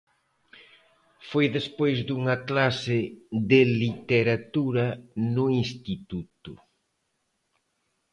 Foi despois dunha clase de literatura no instituto.